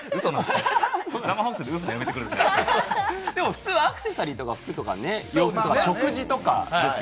普通、アクセサリーとか服とか食事ですよね。